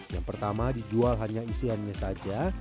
yang pertama dijual hanya isiannya saja